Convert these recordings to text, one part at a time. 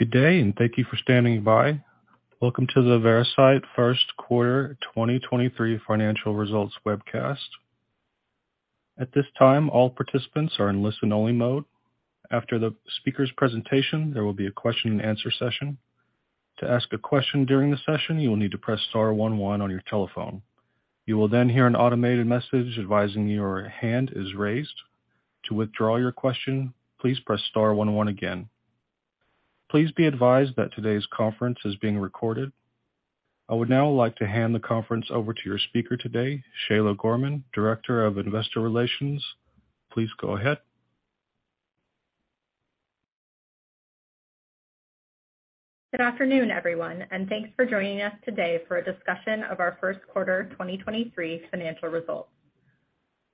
Good day, and thank you for standing by. Welcome to the Veracyte First Quarter 2023 Financial Results Webcast. At this time, all participants are in listen-only mode. After the speaker's presentation, there will be a question-and-answer session. To ask a question during the session, you will need to press star 11 on your telephone. You will then hear an automated message advising your hand is raised. To withdraw your question, please press star one one again. Please be advised that today's conference is being recorded. I would now like to hand the conference over to your speaker today, Shayla Gorman, Director of Investor Relations. Please go ahead. Good afternoon, everyone, and thanks for joining us today for a discussion of our first quarter 2023 financial results.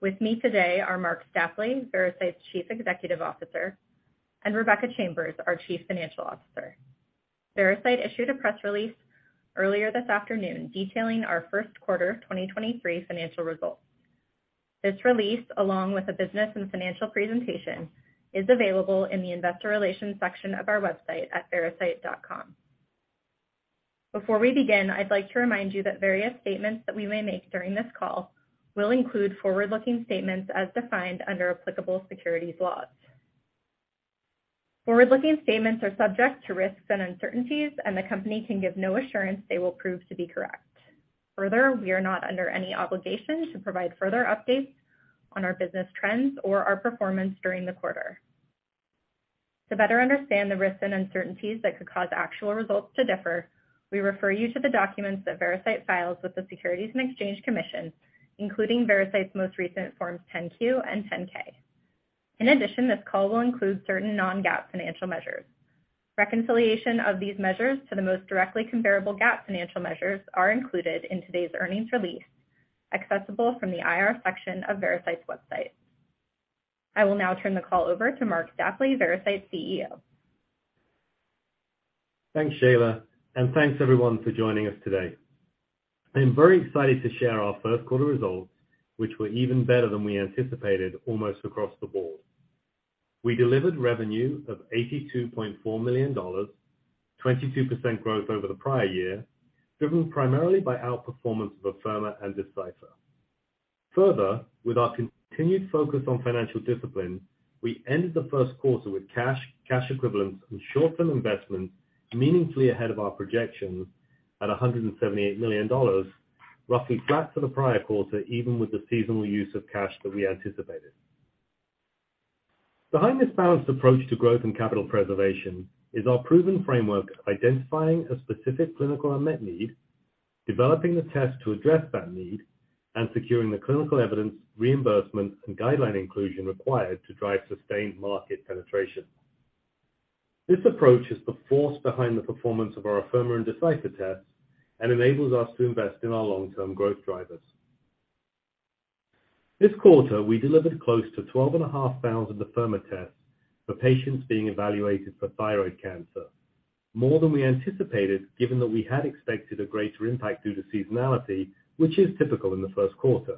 With me today are Marc Stapley, Veracyte's Chief Executive Officer, and Rebecca Chambers, our Chief Financial Officer. Veracyte issued a press release earlier this afternoon detailing our first quarter of 2023 financial results. This release, along with a business and financial presentation, is available in the investor relations section of our website at veracyte.com. Before we begin, I'd like to remind you that various statements that we may make during this call will include forward-looking statements as defined under applicable securities laws. Forward-looking statements are subject to risks and uncertainties. The company can give no assurance they will prove to be correct. Further, we are not under any obligation to provide further updates on our business trends or our performance during the quarter. To better understand the risks and uncertainties that could cause actual results to differ, we refer you to the documents that Veracyte files with the Securities and Exchange Commission, including Veracyte's most recent Forms 10-Q and 10-K. In addition, this call will include certain non-GAAP financial measures. Reconciliation of these measures to the most directly comparable GAAP financial measures are included in today's earnings release, accessible from the IR section of Veracyte's website. I will now turn the call over to Marc Stapley, Veracyte's CEO. Thanks, Shayla, and thanks everyone for joining us today. I am very excited to share our first quarter results, which were even better than we anticipated almost across the board. We delivered revenue of $82.4 million, 22% growth over the prior year, driven primarily by outperformance of Afirma and Decipher. With our continued focus on financial discipline, we ended the first quarter with cash equivalents, and short-term investments meaningfully ahead of our projections at $178 million, roughly flat for the prior quarter, even with the seasonal use of cash that we anticipated. Behind this balanced approach to growth and capital preservation is our proven framework identifying a specific clinical unmet need, developing the test to address that need, and securing the clinical evidence, reimbursement, and guideline inclusion required to drive sustained market penetration. This approach is the force behind the performance of our Afirma and Decipher tests and enables us to invest in our long-term growth drivers. This quarter, we delivered close to 12,500 Afirma tests for patients being evaluated for thyroid cancer. More than we anticipated, given that we had expected a greater impact due to seasonality, which is typical in the first quarter.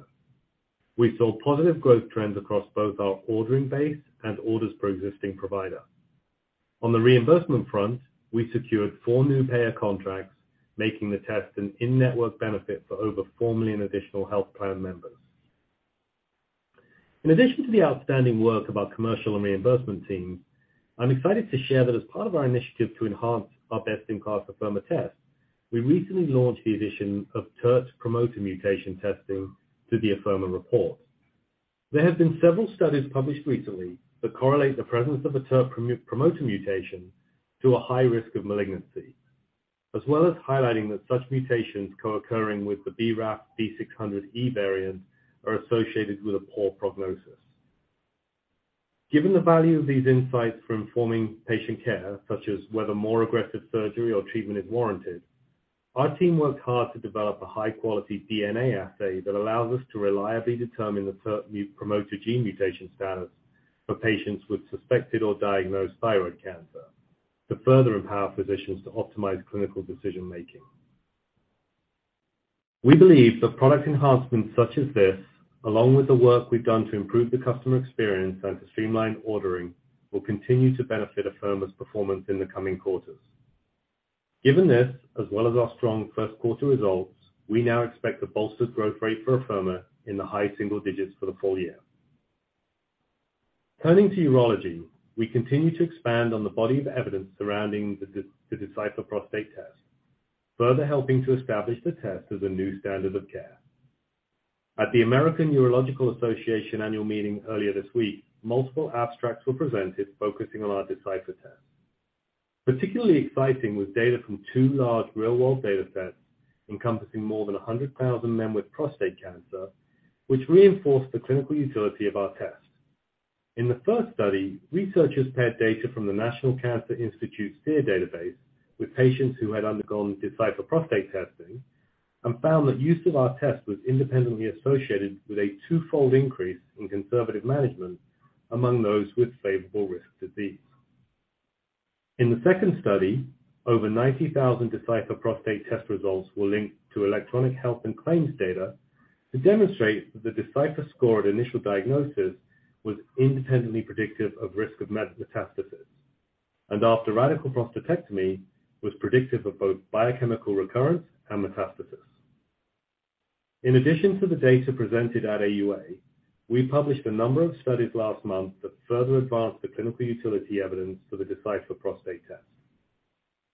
We saw positive growth trends across both our ordering base and orders per existing provider. On the reimbursement front, we secured four new payer contracts, making the test an in-network benefit for over 4 million additional health plan members. In addition to the outstanding work of our commercial and reimbursement teams, I'm excited to share that as part of our initiative to enhance our best-in-class Afirma test, we recently launched the addition of TERT promoter mutation testing to the Afirma report. There have been several studies published recently that correlate the presence of a TERT promoter mutation to a high risk of malignancy, as well as highlighting that such mutations co-occurring with the BRAF V600E variant are associated with a poor prognosis. Given the value of these insights for informing patient care, such as whether more aggressive surgery or treatment is warranted, our team worked hard to develop a high-quality DNA assay that allows us to reliably determine the TERT promoter gene mutation status for patients with suspected or diagnosed thyroid cancer to further empower physicians to optimize clinical decision-making. We believe that product enhancements such as this, along with the work we've done to improve the customer experience and to streamline ordering, will continue to benefit Afirma's performance in the coming quarters. Given this, as well as our strong first quarter results, we now expect a bolstered growth rate for Afirma in the high single digits for the full year. Turning to urology, we continue to expand on the body of evidence surrounding the Decipher Prostate test, further helping to establish the test as a new standard of care. At the American Urological Association annual meeting earlier this week, multiple abstracts were presented focusing on our Decipher test. Particularly exciting was data from two large real-world datasets encompassing more than 100,000 men with prostate cancer, which reinforced the clinical utility of our test. In the first study, researchers paired data from the National Cancer Institute SEER database with patients who had undergone Decipher Prostate testing and found that use of our test was independently associated with a twofold increase in conservative management among those with favorable risk disease. In the second study, over 90,000 Decipher Prostate test results were linked to electronic health and claims data. To demonstrate that the Decipher score at initial diagnosis was independently predictive of risk of metastasis, and after radical prostatectomy, was predictive of both biochemical recurrence and metastasis. In addition to the data presented at AUA, we published a number of studies last month that further advanced the clinical utility evidence for the Decipher Prostate Test.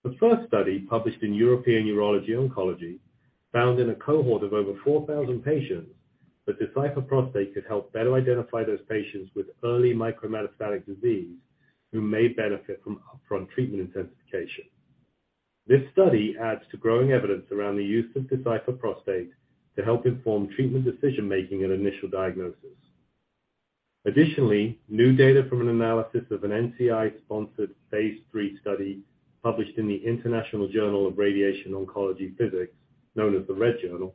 The first study, published in European Urology Oncology, found in a cohort of over 4,000 patients that Decipher Prostate could help better identify those patients with early micrometastatic disease who may benefit from upfront treatment intensification. This study adds to growing evidence around the use of Decipher Prostate to help inform treatment decision-making at initial diagnosis. Additionally, new data from an analysis of an NCI-sponsored Phase III study published in the International Journal of Radiation Oncology Physics, known as the Red Journal,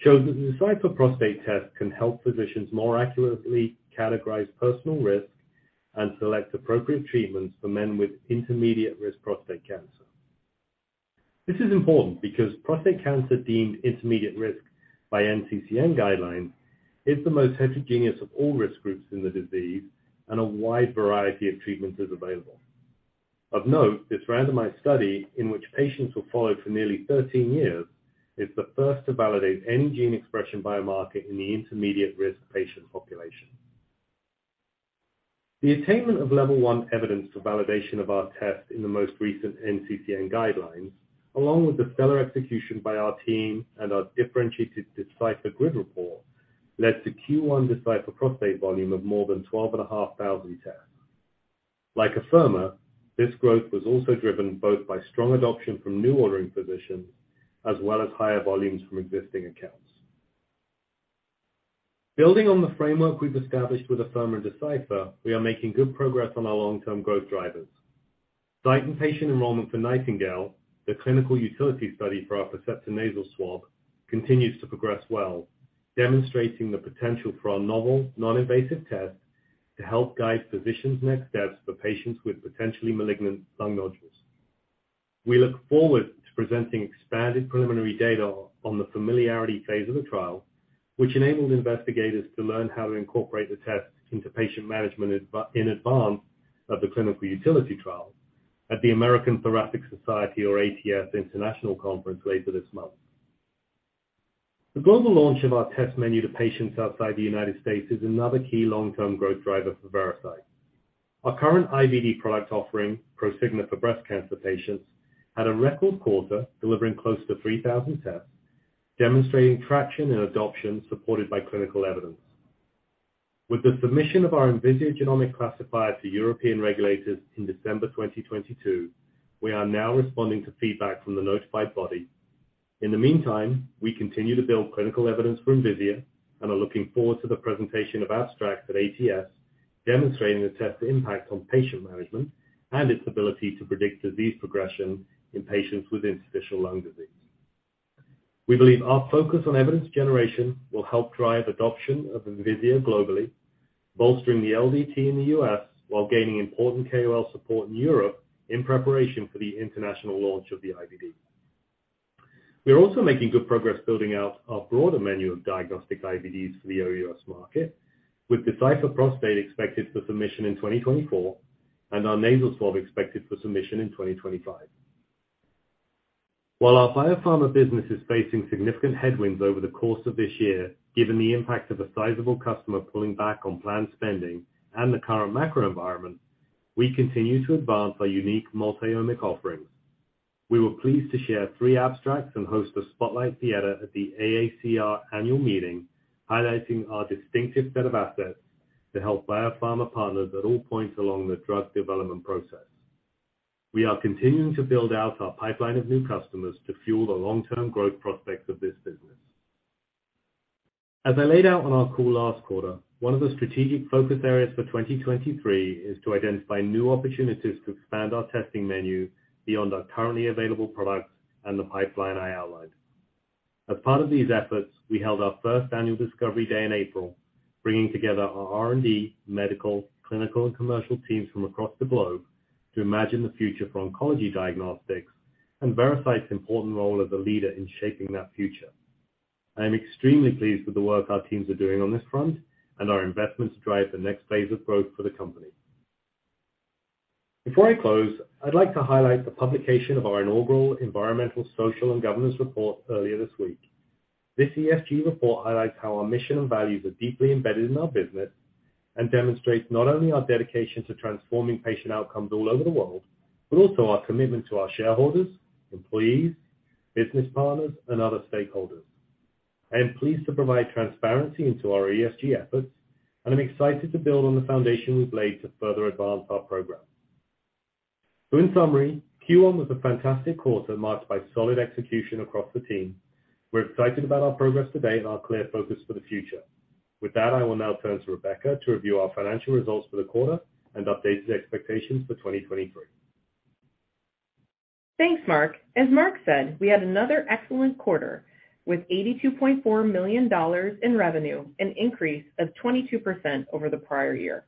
shows that Decipher Prostate Test can help physicians more accurately categorize personal risk and select appropriate treatments for men with intermediate-risk prostate cancer. This is important because prostate cancer deemed intermediate risk by NCCN guidelines is the most heterogeneous of all risk groups in the disease, and a wide variety of treatments is available. Of note, this randomized study in which patients were followed for nearly 13 years, is the first to validate any gene expression biomarker in the intermediate-risk patient population. The attainment of level 1 evidence for validation of our test in the most recent NCCN guidelines, along with the stellar execution by our team and our differentiated Decipher GRID report, led to Q1 Decipher Prostate volume of more than 12,500 tests. Like Afirma, this growth was also driven both by strong adoption from new ordering physicians as well as higher volumes from existing accounts. Building on the framework we've established with Afirma Decipher, we are making good progress on our long-term growth drivers. Site and patient enrollment for NIGHTINGALE, the clinical utility study for our Percepta Nasal Swab, continues to progress well, demonstrating the potential for our novel non-invasive test to help guide physicians next steps for patients with potentially malignant lung nodules. We look forward to presenting expanded preliminary data on the familiarity phase of the trial, which enables investigators to learn how to incorporate the test into patient management in advance of the clinical utility trial at the American Thoracic Society, or ATS, International Conference later this month. The global launch of our test menu to patients outside the United States is another key long-term growth driver for Veracyte. Our current IVD product offering, Prosigna for breast cancer patients, had a record quarter delivering close to 3,000 tests, demonstrating traction and adoption supported by clinical evidence. With the submission of our Envisia genomic classifier to European regulators in December 2022, we are now responding to feedback from the notified body. In the meantime, we continue to build clinical evidence for Envisia and are looking forward to the presentation of abstracts at ATS, demonstrating the test's impact on patient management and its ability to predict disease progression in patients with interstitial lung disease. We believe our focus on evidence generation will help drive adoption of Envisia globally, bolstering the LDT in the U.S. while gaining important KOL support in Europe in preparation for the international launch of the IVD. We are also making good progress building out our broader menu of diagnostic IVDs for the OUS market with Decipher Prostate expected for submission in 2024 and our nasal swab expected for submission in 2025. While our biopharma business is facing significant headwinds over the course of this year, given the impact of a sizable customer pulling back on planned spending and the current macro environment, we continue to advance our unique multiomic offerings. We were pleased to share three abstracts and host a spotlight theater at the AACR annual meeting, highlighting our distinctive set of assets to help biopharma partners at all points along the drug development process. We are continuing to build out our pipeline of new customers to fuel the long-term growth prospects of this business. As I laid out on our call last quarter, one of the strategic focus areas for 2023 is to identify new opportunities to expand our testing menu beyond our currently available products and the pipeline I outlined. As part of these efforts, we held our first annual Discovery Day in April, bringing together our R&D, medical, clinical, and commercial teams from across the globe to imagine the future for oncology diagnostics and Veracyte's important role as a leader in shaping that future. I am extremely pleased with the work our teams are doing on this front and our investment to drive the next phase of growth for the company. Before I close, I'd like to highlight the publication of our inaugural Environmental, Social and Governance report earlier this week. This ESG report highlights how our mission and values are deeply embedded in our business, and demonstrates not only our dedication to transforming patient outcomes all over the world, but also our commitment to our shareholders, employees, business partners, and other stakeholders. I am pleased to provide transparency into our ESG efforts, and I'm excited to build on the foundation we've laid to further advance our program. In summary, Q1 was a fantastic quarter marked by solid execution across the team. We're excited about our progress today and our clear focus for the future. That, I will now turn to Rebecca to review our financial results for the quarter and updated expectations for 2023. Thanks, Mark. As Mark said, we had another excellent quarter with $82.4 million in revenue, an increase of 22% over the prior year.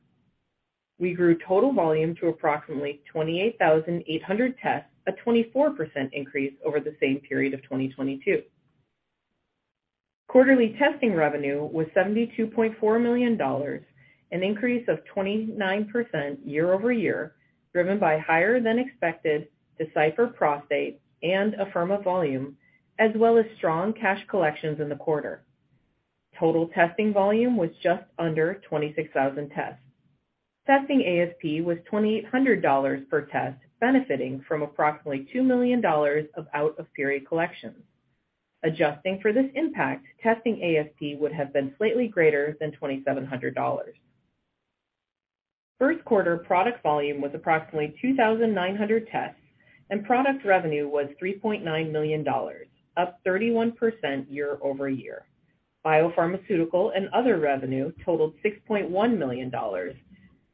We grew total volume to approximately 28,800 tests, a 24% increase over the same period of 2022. Quarterly testing revenue was $72.4 million, an increase of 29% year-over-year, driven by higher than expected Decipher Prostate and Afirma volume, as well as strong cash collections in the quarter. Total testing volume was just under 26,000 tests. Testing ASP was $2,800 per test, benefiting from approximately $2 million of out-of-period collections. Adjusting for this impact, testing ASP would have been slightly greater than $2,700. First quarter product volume was approximately 2,900 tests, and product revenue was $3.9 million, up 31% year-over-year. Biopharmaceutical and other revenue totaled $6.1 million,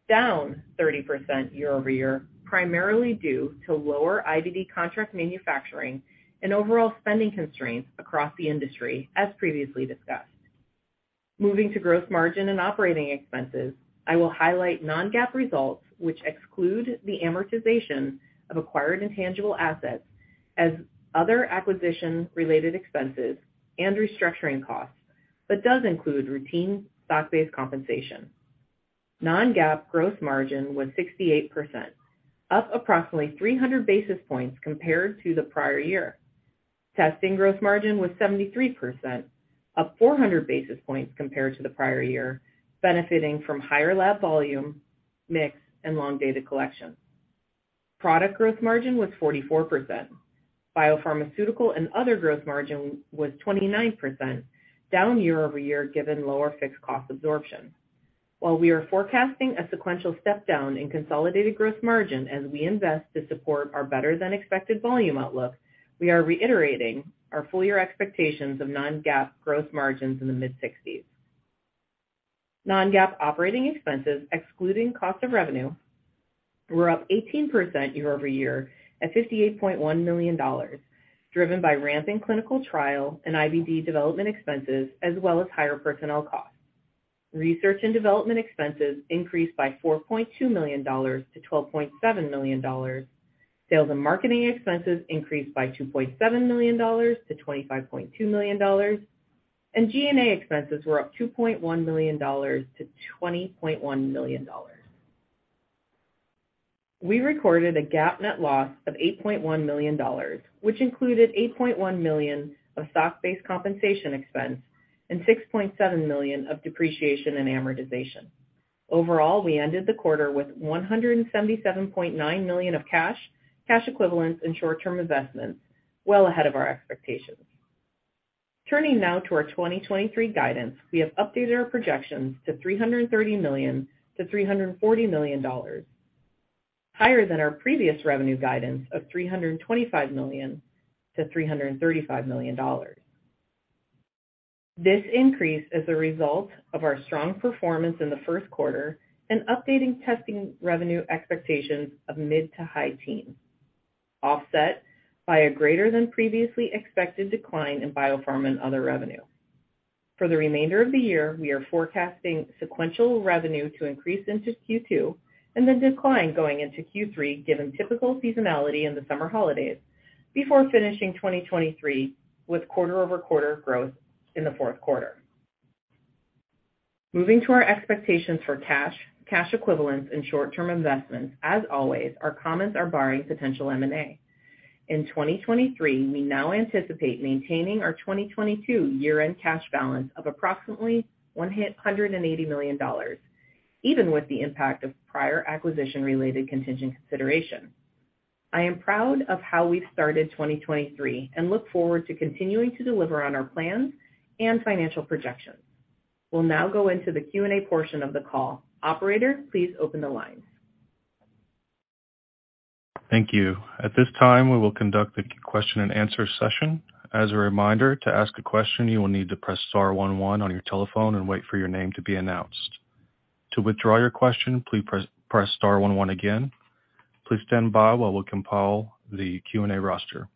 down 30% year-over-year, primarily due to lower IVD contract manufacturing and overall spending constraints across the industry, as previously discussed. Moving to gross margin and operating expenses, I will highlight non-GAAP results, which exclude the amortization of acquired intangible assets as other acquisition-related expenses and restructuring costs, but does include routine stock-based compensation. Non-GAAP gross margin was 68%, up approximately 300 basis points compared to the prior year. Testing gross margin was 73%, up 400 basis points compared to the prior year, benefiting from higher lab volume, mix, and long data collection. Product growth margin was 44%. Biopharmaceutical and other growth margin was 29%, down year-over-year, given lower fixed cost absorption. While we are forecasting a sequential step down in consolidated growth margin as we invest to support our better than expected volume outlook, we are reiterating our full-year expectations of non-GAAP growth margins in the mid-sixties. Non-GAAP operating expenses, excluding cost of revenue, were up 18% year-over-year at $58.1 million, driven by ramping clinical trial and IVD development expenses, as well as higher personnel costs. Research and development expenses increased by $4.2 million to $12.7 million. Sales and marketing expenses increased by $2.7 million to $25.2 million. G&A expenses were up $2.1 million to $20.1 million. We recorded a GAAP net loss of $8.1 million, which included $8.1 million of stock-based compensation expense and $6.7 million of depreciation and amortization. Overall, we ended the quarter with $177.9 million of cash equivalents, and short-term investments, well ahead of our expectations. Turning now to our 2023 guidance. We have updated our projections to $330 million-$340 million, higher than our previous revenue guidance of $325 million-$335 million. This increase is a result of our strong performance in the first quarter and updating testing revenue expectations of mid-to-high teens, offset by a greater than previously expected decline in biopharm and other revenue. For the remainder of the year, we are forecasting sequential revenue to increase into Q2 and then decline going into Q3, given typical seasonality in the summer holidays, before finishing 2023 with quarter-over-quarter growth in the fourth quarter. Moving to our expectations for cash equivalents, and short-term investments. As always, our comments are barring potential M&A. In 2023, we now anticipate maintaining our 2022 year-end cash balance of approximately $180 million, even with the impact of prior acquisition-related contingent consideration. I am proud of how we've started 2023 and look forward to continuing to deliver on our plans and financial projections. We'll now go into the Q&A portion of the call. Operator, please open the lines. Thank you. At this time, we will conduct the question and answer session. As a reminder, to ask a question, you will need to press star one one on your telephone and wait for your name to be announced. To withdraw your question, please press star one one again. Please stand by while we compile the Q&A roster.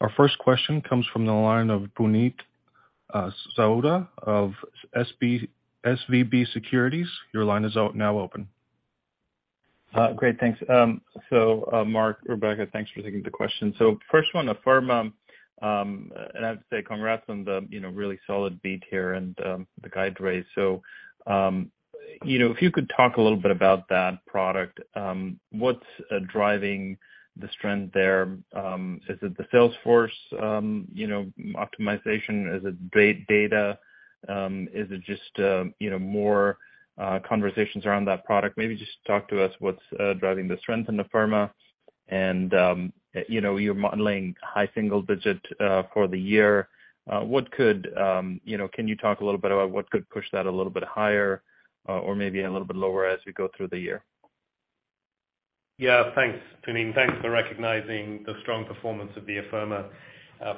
Our first question comes from the line of Puneet Souda of SVB Securities. Your line is now open. Great, thanks. Mark, Rebecca, thanks for taking the question. First one, Afirma, and I'd say congrats on the, you know, really solid beat here and the guide raise. You know, if you could talk a little bit about that product, what's driving the strength there? Is it the sales force, you know, optimization? Is it data? Is it just, you know, more conversations around that product? Maybe just talk to us what's driving the strength in Afirma and, you know, you're modeling high single digit for the year. What could, you know, can you talk a little bit about what could push that a little bit higher or maybe a little bit lower as we go through the year? Yeah, thanks, Puneet. Thanks for recognizing the strong performance of the Afirma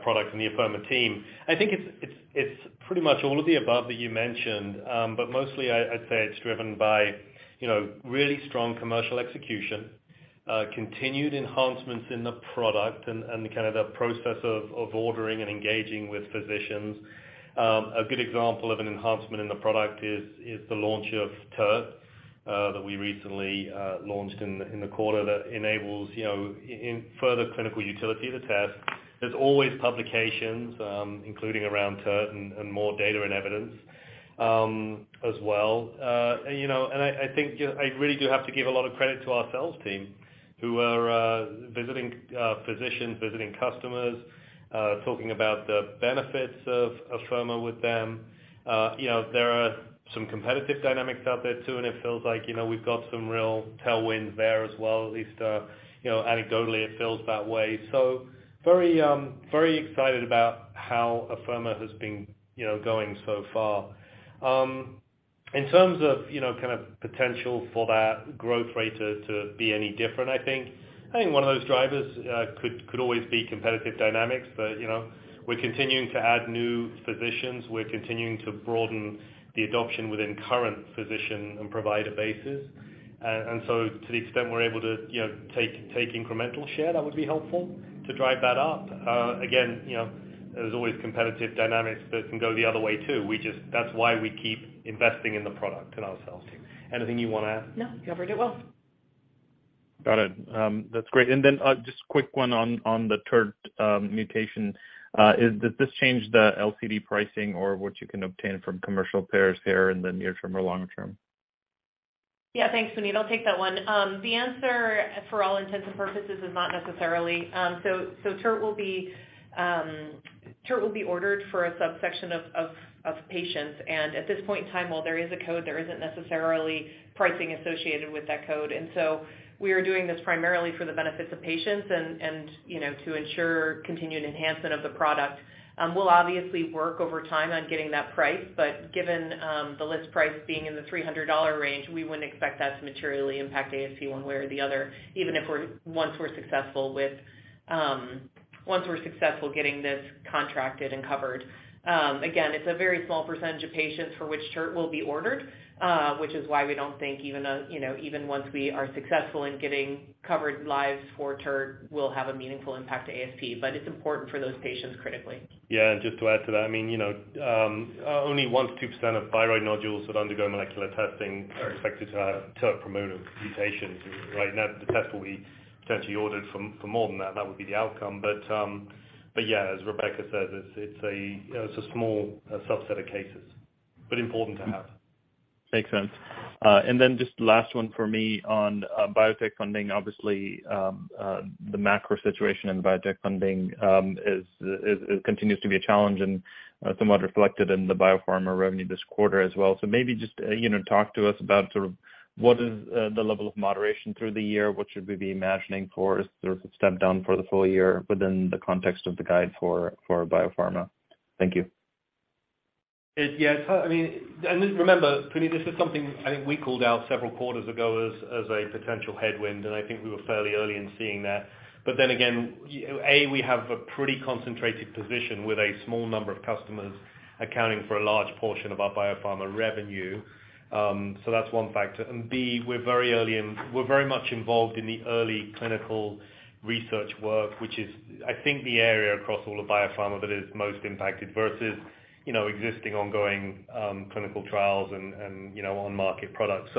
product and the Afirma team. I think it's pretty much all of the above that you mentioned, but mostly I'd say it's driven by, you know, really strong commercial execution. Continued enhancements in the product and the kind of the process of ordering and engaging with physicians. A good example of an enhancement in the product is the launch of TERT that we recently launched in the quarter that enables, you know, further clinical utility of the test. There's always publications, including around TERT and more data and evidence as well. And, you know, I think I really do have to give a lot of credit to our sales team who are visiting physicians, visiting customers, talking about the benefits of Afirma with them. You know, there are some competitive dynamics out there too, and it feels like, you know, we've got some real tailwinds there as well. At least, you know, anecdotally, it feels that way. Very, very excited about how Afirma has been, you know, going so far. In terms of, you know, kind of potential for that growth rate to be any different, I think one of those drivers could always be competitive dynamics. You know, we're continuing to add new physicians. We're continuing to broaden the adoption within current physician and provider bases. To the extent we're able to, you know, take incremental share, that would be helpful to drive that up. Again, you know, there's always competitive dynamics that can go the other way too. That's why we keep investing in the product and ourselves. Anything you wanna add? No. You covered it well. Got it. That's great. Then, just quick one on the TERT mutation. Does this change the LCD pricing or what you can obtain from commercial payers here in the near term or long term? Yeah, thanks, Puneet. I'll take that one. The answer for all intents and purposes is not necessarily. TERT will be ordered for a subsection of patients. At this point in time, while there is a code, there isn't necessarily pricing associated with that code. We are doing this primarily for the benefits of patients and, you know, to ensure continued enhancement of the product. We'll obviously work over time on getting that priced, given the list price being in the $300 range, we wouldn't expect that to materially impact ASP one way or the other, even if once we're successful getting this contracted and covered. Again, it's a very small percentage of patients for which TERT will be ordered, which is why we don't think even, you know, even once we are successful in getting covered lives for TERT will have a meaningful impact to ASP, but it's important for those patients critically. Yeah. Just to add to that, I mean, you know, only 1%-2% of thyroid nodules that undergo molecular testing are expected to have TERT promoter mutations, right? The test will be potentially ordered for more than that, and that would be the outcome. But yeah, as Rebecca said, it's a, you know, small subset of cases, but important to have. Makes sense. Just last one for me on biotech funding. Obviously, the macro situation in biotech funding, is continues to be a challenge and somewhat reflected in the biopharma revenue this quarter as well. Maybe just, you know, talk to us about sort of what is the level of moderation through the year? What should we be imagining for sort of a step down for the full year within the context of the guide for biopharma? Thank you. It's hard. I mean, and remember, Puneet, this is something I think we called out several quarters ago as a potential headwind, and I think we were fairly early in seeing that. Again, A, we have a pretty concentrated position with a small number of customers accounting for a large portion of our biopharma revenue, so that's one factor. B, we're very much involved in the early clinical research work, which is I think the area across all of biopharma that is most impacted versus, you know, existing ongoing clinical trials and, you know, on-market products.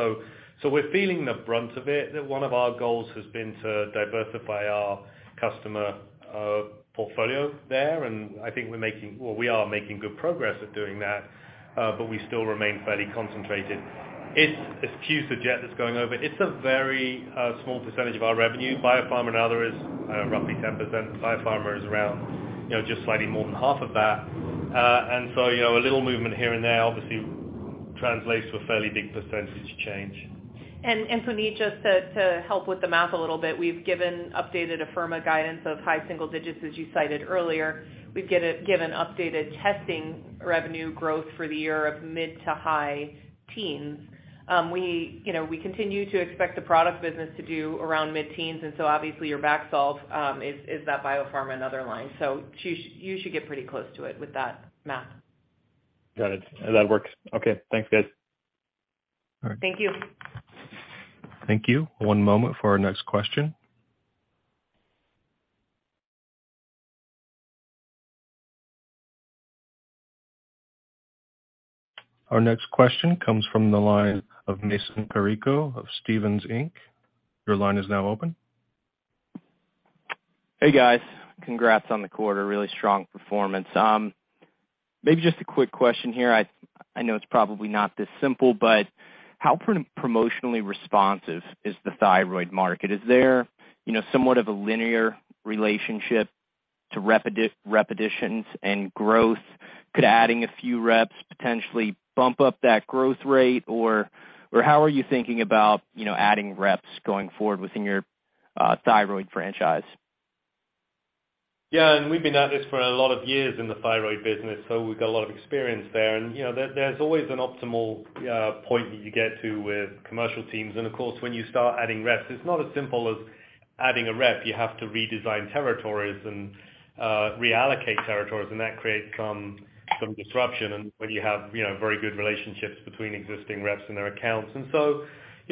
We're feeling the brunt of it, that one of our goals has been to diversify our customer portfolio there, and I think we're making. Well, we are making good progress at doing that, we still remain fairly concentrated. It's Q4 jet that's going over. It's a very small percentage of our revenue. Biopharma now there is roughly 10%. Biopharma is around, you know, just slightly more than half of that. You know, a little movement here and there obviously translates to a fairly big percentage change. Puneet, just to help with the math a little bit, we've given updated Afirma guidance of high single digits as you cited earlier. We've given updated testing revenue growth for the year of mid to high teens. We, you know, we continue to expect the product business to do around mid-teens, obviously your back solve is that Biopharma and other line. You should get pretty close to it with that math. Got it. That works. Okay. Thanks, guys. All right. Thank you. Thank you. One moment for our next question. Our next question comes from the line of Mason Carrico of Stephens Inc. Your line is now open. Hey, guys. Congrats on the quarter. Really strong performance. Maybe just a quick question here? I know it's probably not this simple, but how promotionally responsive is the thyroid market? Is there, you know, somewhat of a linear relationship to repetitions and growth? Could adding a few reps potentially bump up that growth rate? How are you thinking about, you know, adding reps going forward within your thyroid franchise? Yeah. We've been at this for a lot of years in the thyroid business, so we've got a lot of experience there. You know, there's always an optimal point that you get to with commercial teams. Of course, when you start adding reps, it's not as simple as adding a rep, you have to redesign territories and reallocate territories, and that creates some disruption and when you have, you know, very good relationships between existing reps and their accounts. You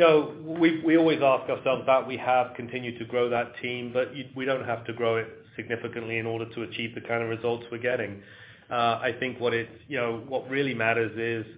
know, we always ask ourselves that. We have continued to grow that team, but we don't have to grow it significantly in order to achieve the kind of results we're getting. I think what it's, you know, what really matters is,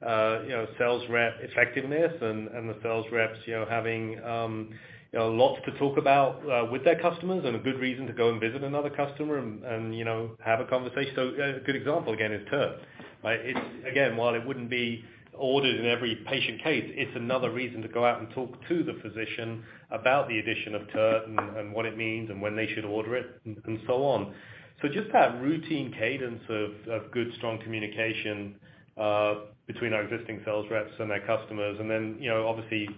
you know, sales rep effectiveness and the sales reps, you know, having, you know, lots to talk about with their customers and a good reason to go and visit another customer and, you know, have a conversation. A good example again is TERT. Right? It's again, while it wouldn't be ordered in every patient case, it's another reason to go out and talk to the physician about the addition of TERT and what it means and when they should order it and so on. Just that routine cadence of good, strong communication between our existing sales reps and their customers. You know, obviously,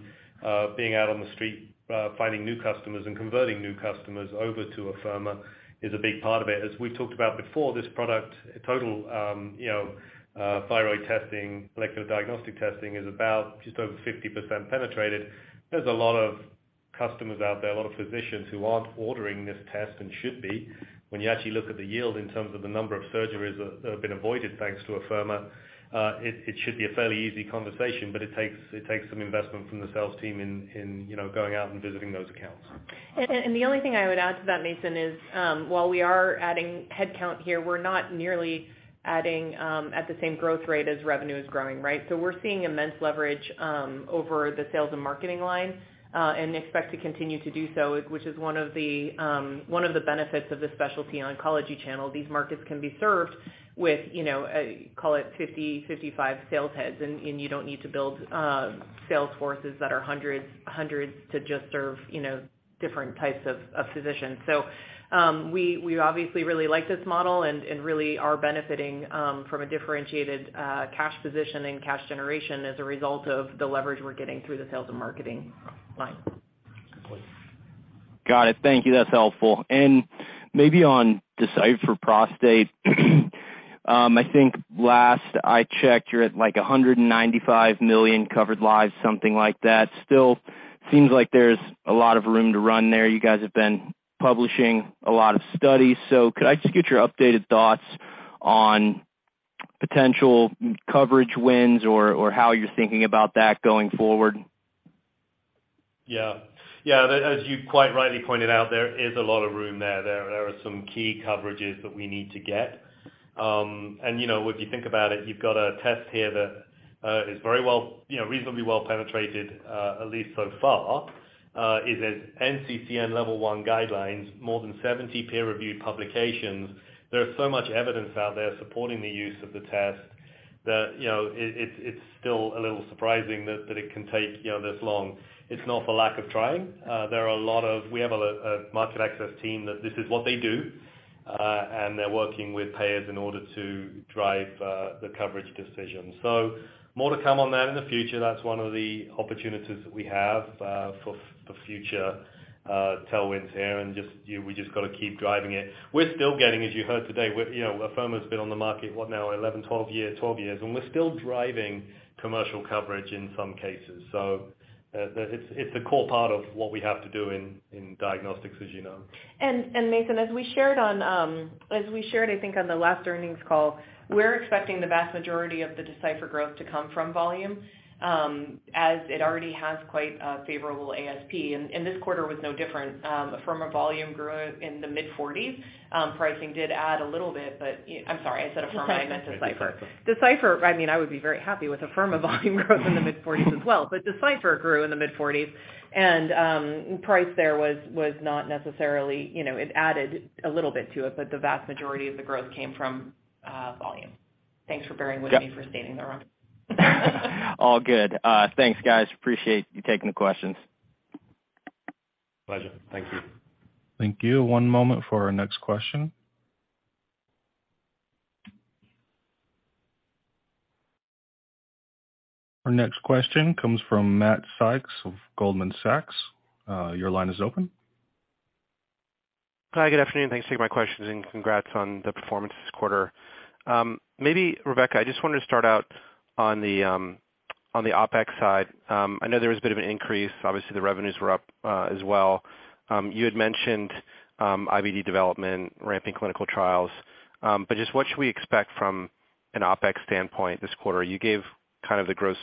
being out on the street, finding new customers and converting new customers over to Afirma is a big part of it. As we've talked about before, this product total, you know, thyroid testing, molecular diagnostic testing is about just over 50% penetrated. There's a lot of customers out there, a lot of physicians who aren't ordering this test and should be. When you actually look at the yield in terms of the number of surgeries that have been avoided, thanks to Afirma, it should be a fairly easy conversation, but it takes some investment from the sales team in, you know, going out and visiting those accounts. The only thing I would add to that, Mason, is, while we are adding headcount here, we're not nearly adding, at the same growth rate as revenue is growing, right? We're seeing immense leverage over the sales and marketing line, and expect to continue to do so, which is one of the benefits of the specialty oncology channel. These markets can be served with, you know, call it 50-55 sales heads, and you don't need to build sales forces that are hundreds to just serve, you know, different types of physicians. We obviously really like this model and really are benefiting, from a differentiated, cash position and cash generation as a result of the leverage we're getting through the sales and marketing line. Please. Got it. Thank you. That's helpful. Maybe on Decipher Prostate. I think last I checked, you're at like 195 million covered lives, something like that. Still seems like there's a lot of room to run there. You guys have been publishing a lot of studies. Could I just get your updated thoughts on potential coverage wins or how you're thinking about that going forward? Yeah. Yeah. As you quite rightly pointed out, there is a lot of room there. There are some key coverages that we need to get. You know, if you think about it, you've got a test here that is very well, you know, reasonably well penetrated, at least so far, is NCCN level 1 guidelines, more than 70 peer-reviewed publications. There is so much evidence out there supporting the use of the test that, you know, it's, it's still a little surprising that it can take, you know, this long. It's not for lack of trying. We have a market access team that this is what they do, they're working with payers in order to drive the coverage decision. More to come on that in the future. That's one of the opportunities that we have, for future, tailwinds here. We just got to keep driving it. We're still getting, as you heard today, we're, you know, Afirma has been on the market, what now? 11, 12 years. 12 years, and we're still driving commercial coverage in some cases. It's, it's a core part of what we have to do in diagnostics, as you know. Mason, as we shared on, as we shared, I think on the last earnings call, we're expecting the vast majority of the Decipher growth to come from volume, as it already has quite a favorable ASP. This quarter was no different. Afirma volume grew in the mid-40s%. Pricing did add a little bit, but I'm sorry, I said Afirma, I meant Decipher. Decipher, I mean, I would be very happy with Afirma volume growth in the mid-40s% as well. Decipher grew in the mid-40s% and price there was not necessarily, you know, it added a little bit to it, but the vast majority of the growth came from volume. Thanks for bearing with me for stating the wrong. All good. Thanks, guys. Appreciate you taking the questions. Pleasure. Thank you. Thank you. One moment for our next question. Our next question comes from Matthew Sykes of Goldman Sachs. Your line is open. Hi, good afternoon. Thanks for taking my questions, and congrats on the performance this quarter. Maybe Rebecca, I just wanted to start out on the, on the OpEx side. I know there was a bit of an increase. Obviously, the revenues were up, as well. You had mentioned, IVD development, ramping clinical trials, just what should we expect from an OpEx standpoint this quarter? You gave kind of the gross,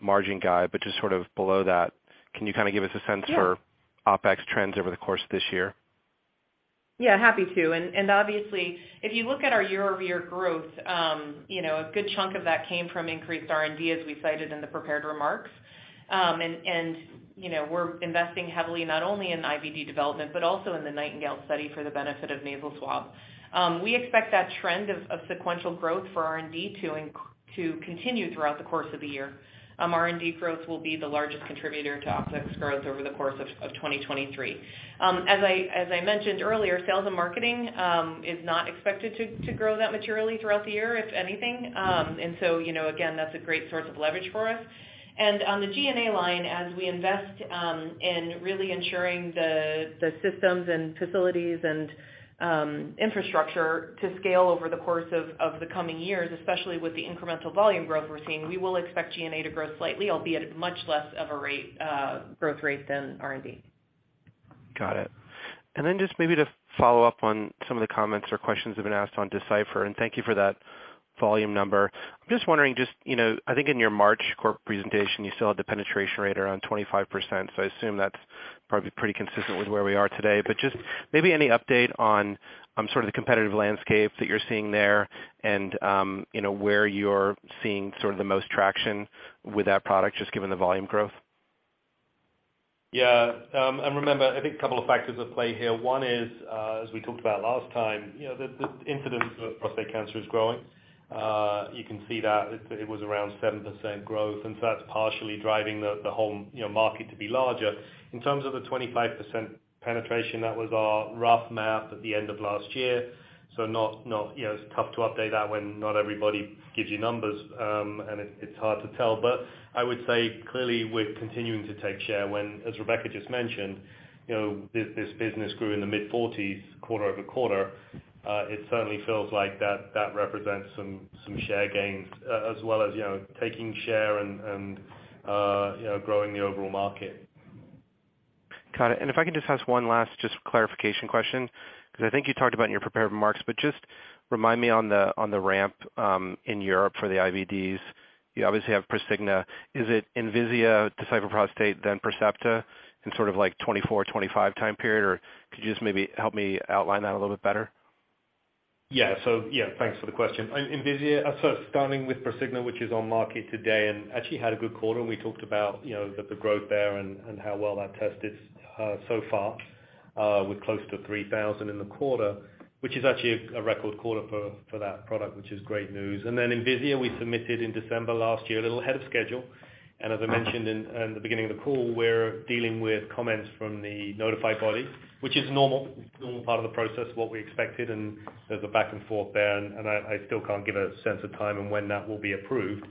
margin guide, just sort of below that, can you kind of give us a sense. Yeah. for OpEx trends over the course of this year? Yeah, happy to. Obviously, if you look at our year-over-year growth, you know, a good chunk of that came from increased R&D, as we cited in the prepared remarks. You know, we're investing heavily, not only in IVD development, but also in the NIGHTINGALE study for the benefit of nasal swab. We expect that trend of sequential growth for R&D to continue throughout the course of the year. R&D growth will be the largest contributor to OpEx growth over the course of 2023. As I mentioned earlier, sales and marketing, is not expected to grow that materially throughout the year, if anything. You know, again, that's a great source of leverage for us. On the G&A line, as we invest, in really ensuring the systems and facilities and, infrastructure to scale over the course of the coming years, especially with the incremental volume growth we're seeing, we will expect G&A to grow slightly, albeit at much less of a rate, growth rate than R&D. Got it. Just maybe to follow up on some of the comments or questions that have been asked on Decipher, and thank you for that volume number. I'm just wondering, you know, I think in your March corporate presentation, you still had the penetration rate around 25%. I assume that's probably pretty consistent with where we are today. Just maybe any update on sort of the competitive landscape that you're seeing there and, you know, where you're seeing sort of the most traction with that product just given the volume growth. Yeah. Remember, I think a couple of factors at play here. One is, as we talked about last time, you know, the incidence of prostate cancer is growing. You can see that it was around 7% growth, and so that's partially driving the whole, you know, market to be larger. In terms of the 25% penetration, that was our rough math at the end of last year. Not, you know, it's tough to update that when not everybody gives you numbers, and it's hard to tell. I would say clearly we're continuing to take share when, as Rebecca just mentioned, you know, this business grew in the mid-40s quarter-over-quarter. It certainly feels like that represents some share gains as well as, you know, taking share and, you know, growing the overall market. Got it. If I can just ask one last just clarification question, because I think you talked about in your prepared remarks, but just remind me on the, on the ramp in Europe for the IVDs. You obviously have Prosigna. Is it Envisia, Decipher Prostate, then Percepta in sort of like 2024, 2025 time period? Could you just maybe help me outline that a little bit better? Yeah, thanks for the question. Envisia, starting with Prosigna, which is on market today and actually had a good quarter, and we talked about, you know, the growth there and how well that test is so far, with close to 3,000 in the quarter, which is actually a record quarter for that product, which is great news. Envisia, we submitted in December last year, a little ahead of schedule. As I mentioned in the beginning of the call, we're dealing with comments from the notified body, which is normal part of the process, what we expected and sort of the back and forth there. I still can't give a sense of time and when that will be approved,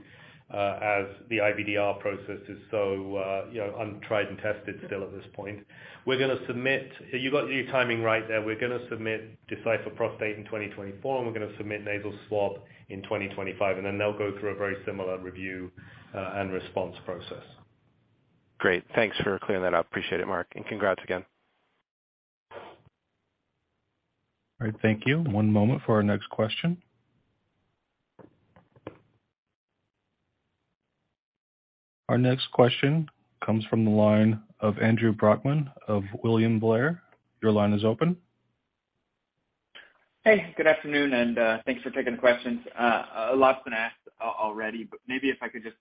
as the IVDR process is so, you know, untried and tested still at this point. You got your timing right there. We're gonna submit Decipher Prostate in 2024, and we're gonna submit nasal swab in 2025, and then they'll go through a very similar review, and response process. Great. Thanks for clearing that up. Appreciate it, Marc, and congrats again. All right. Thank you. One moment for our next question. Our next question comes from the line of Andrew Brackmann of William Blair. Your line is open. Hey, good afternoon, and thanks for taking the questions. A lot's been asked already. Maybe if I could just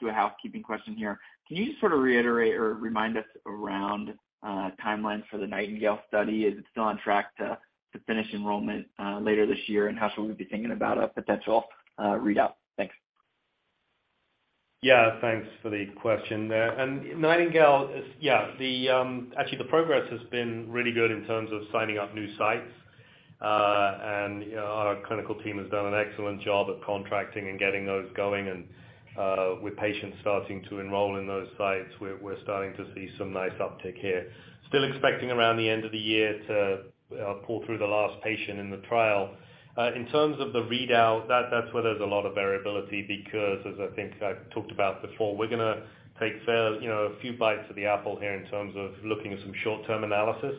do a housekeeping question here. Can you just sort of reiterate or remind us around timelines for the NIGHTINGALE study? Is it still on track to finish enrollment later this year, and how should we be thinking about a potential readout? Thanks. Yeah, thanks for the question there. NIGHTINGALE is, yeah, the, actually, the progress has been really good in terms of signing up new sites. You know, our clinical team has done an excellent job at contracting and getting those going and, with patients starting to enroll in those sites. We're starting to see some nice uptick here. Still expecting around the end of the year to pull through the last patient in the trial. In terms of the readout, that's where there's a lot of variability because as I think I've talked about before, we're gonna take fair, you know, a few bites of the apple here in terms of looking at some short-term analysis.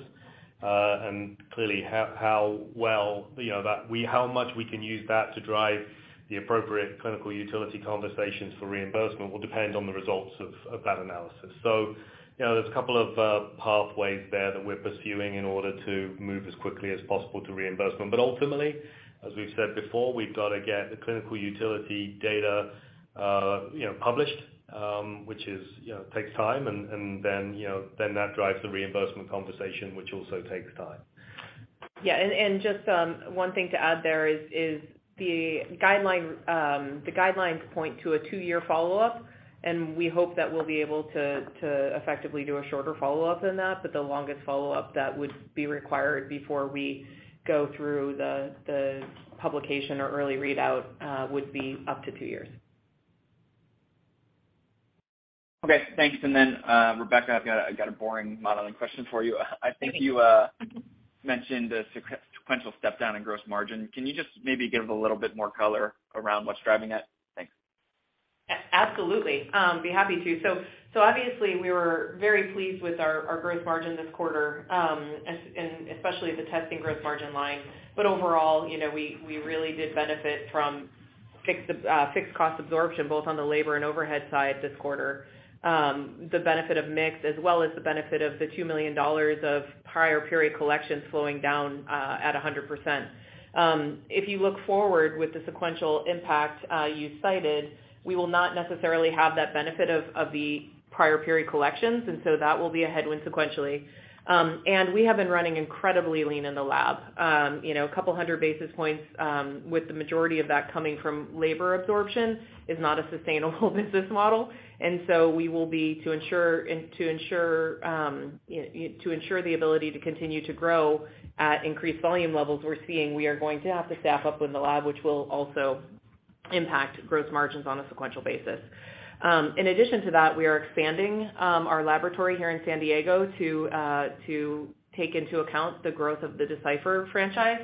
Clearly, how well, you know, how much we can use that to drive the appropriate clinical utility conversations for reimbursement will depend on the results of that analysis. You know, there's a couple of pathways there that we're pursuing in order to move as quickly as possible to reimbursement. Ultimately, as we've said before, we've got to get the clinical utility data, you know, published, which is, you know, takes time and then, you know, then that drives the reimbursement conversation, which also takes time. Yeah. Just, one thing to add there is the guideline, the guidelines point to a two-year follow-up, and we hope that we'll be able to effectively do a shorter follow-up than that. The longest follow-up that would be required before we go through the publication or early readout, would be up to two years. Okay, thanks. Then, Rebecca, I've got a boring modeling question for you. Okay. I think you mentioned a sequential step down in gross margin. Can you just maybe give a little bit more color around what's driving it? Thanks. Absolutely. Be happy to. Obviously we were very pleased with our gross margin this quarter, and especially the testing gross margin line. Overall, you know, we really did benefit from fixed cost absorption, both on the labor and overhead side this quarter. The benefit of mix as well as the benefit of the $2 million of prior period collections flowing down at 100%. If you look forward with the sequential impact you cited, we will not necessarily have that benefit of the prior period collections, that will be a headwind sequentially. We have been running incredibly lean in the lab. You know, a couple hundred basis points, with the majority of that coming from labor absorption is not a sustainable business model. We will be to ensure, you know, to ensure the ability to continue to grow at increased volume levels we're seeing, we are going to have to staff up in the lab, which will also impact gross margins on a sequential basis. In addition to that, we are expanding our laboratory here in San Diego to take into account the growth of the Decipher franchise.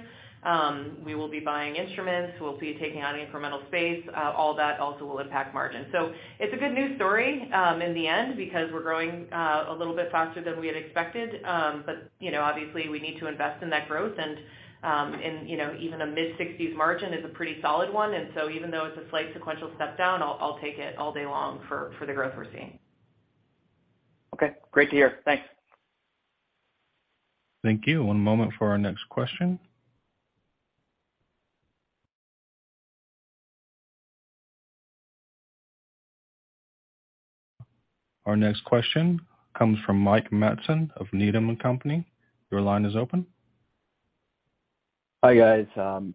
We will be buying instruments. We'll be taking on incremental space. All that also will impact margin. It's a good news story in the end because we're growing a little bit faster than we had expected. But, you know, obviously, we need to invest in that growth and, you know, even a mid-60s margin is a pretty solid one. Even though it's a slight sequential step down, I'll take it all day long for the growth we're seeing. Okay, great to hear. Thanks. Thank you. One moment for our next question. Our next question comes from Mike Matson of Needham & Company. Your line is open. Hi, guys.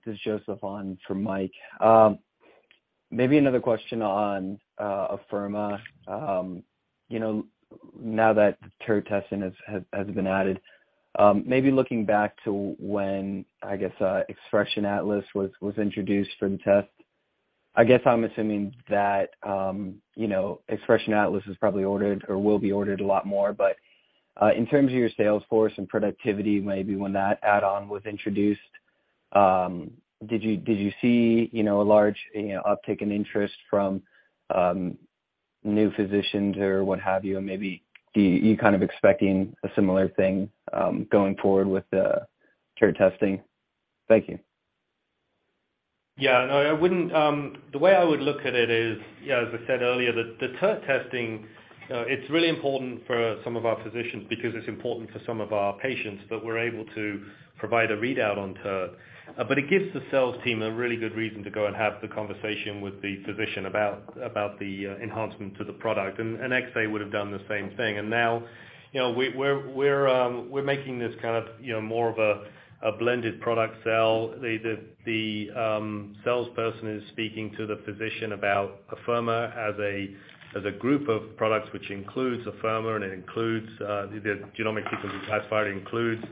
This is Joseph on for Mike. Another question on Afirma. You know, now that TERT testing has been added, looking back to when, I guess, Xpression Atlas was introduced for the test, I guess I'm assuming that, you know, Xpression Atlas is probably ordered or will be ordered a lot more. In terms of your sales force and productivity, when that add-on was introduced, did you see, you know, a large, you know, uptick in interest from new physicians or what have you? Are you kind of expecting a similar thing going forward with the TERT testing? Thank you. Yeah. No, I wouldn't. The way I would look at it is, you know, as I said earlier, the TERT testing, it's really important for some of our physicians because it's important for some of our patients that we're able to provide a readout on TERT. It gives the sales team a really good reason to go and have the conversation with the physician about the enhancement to the product. XA would have done the same thing. Now, you know, we're making this kind of, you know, more of a blended product sell. The salesperson is speaking to the physician about Afirma as a group of products, which includes Afirma, and it includes the Afirma Genomic Sequencing Classifier includes,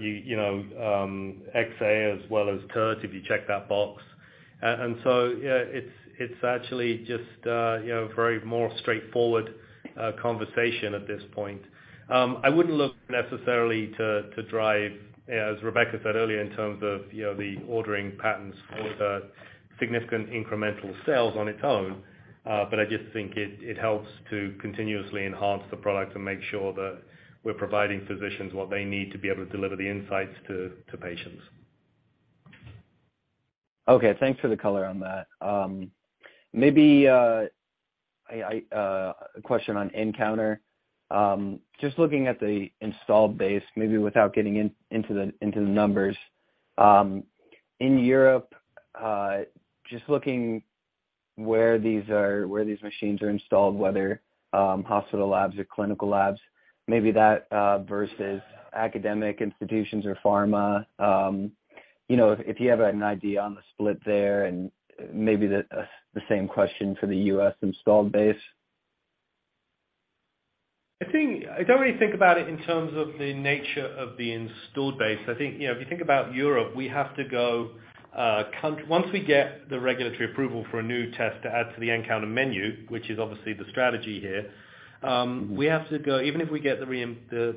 you know, XA as well as TERT, if you check that box. Yeah, it's actually just, you know, very more straightforward conversation at this point. I wouldn't look necessarily to drive, as Rebecca said earlier, in terms of, you know, the ordering patterns for the significant incremental sales on its own, but I just think it helps to continuously enhance the product and make sure that we're providing physicians what they need to be able to deliver the insights to patients. Okay, thanks for the color on that. A question on nCounter. Just looking at the installed base, maybe without getting into the numbers, in Europe, just looking where these are, where these machines are installed, whether hospital labs or clinical labs, maybe that versus academic institutions or pharma, you know, if you have an idea on the split there and maybe the same question for the U.S. installed base? I think I don't really think about it in terms of the nature of the installed base. I think, you know, if you think about Europe, we have to go. Once we get the regulatory approval for a new test to add to the nCounter menu, which is obviously the strategy here, we have to go even if we get the